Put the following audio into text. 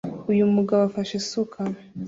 Uyu mugabo afashe isuka